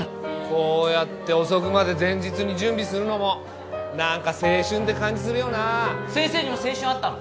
こうやって遅くまで前日に準備するのも何か青春って感じするよな先生にも青春あったの？